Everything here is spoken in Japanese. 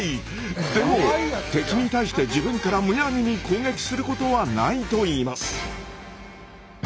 でも敵に対して自分からむやみに攻撃することはないといいます。